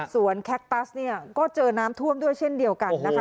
ส่วนแคคตัสเนี่ยก็เจอน้ำท่วมด้วยเช่นเดียวกันนะคะ